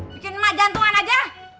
bikin emak jantungan aja